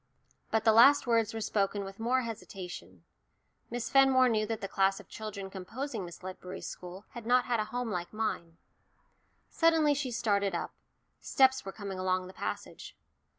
But the last words were spoken with more hesitation. Miss Fenmore knew that the class of children composing Miss Ledbury's school had not had a home like mine. Suddenly she started up steps were coming along the passage.